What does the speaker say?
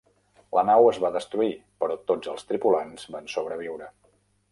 La nau es va destruir, però tots els tripulants van sobreviure.